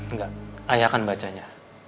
nggak ayah akan bacanya